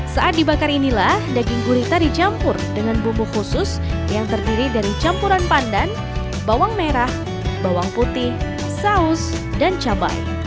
saat dibakar inilah daging gurita dicampur dengan bumbu khusus yang terdiri dari campuran pandan bawang merah bawang putih saus dan cabai